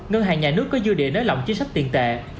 ngân hàng nhà nước có dư địa nới lỏng chính sách tiền tệ